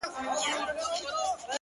تا ولي هر څه اور ته ورکړل د یما لوري _